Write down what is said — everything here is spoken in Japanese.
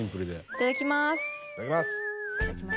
いただきます。